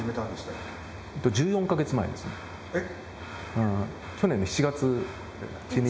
えっ？